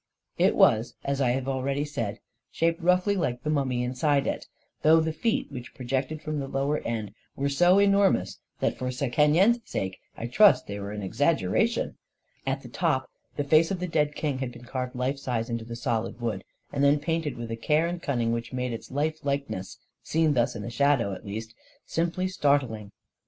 It was, as I have said already, shaped roughly like the mummy inside it — though the feet which pro jected from the lower end were so enormous that, for Sekenyen's sake, I trust they were an exaggera tion ! At the top, the face of the dead king had been carved life size in the solid wood, and then painted with a care and cunning which made its life likeness, seen thus in the shadow, at least, simply startling.